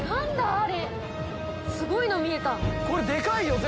あれすごいの見えた。